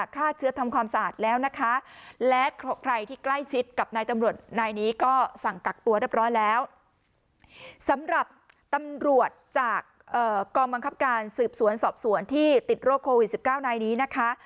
กับนายตำรวจนายนี้ก็สั่งกักตัวเรียบร้อยแล้วสำหรับตำรวจจากกองบังคับการสืบสวนสอบสวนที่ติดโรคโควิดสิบเก้านายนี้นะคะ